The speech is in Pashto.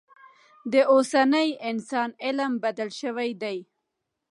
د اوسني انسان علم بدل شوی دی.